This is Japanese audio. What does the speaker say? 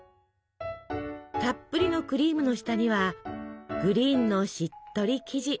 たっぷりのクリームの下にはグリーンのしっとり生地。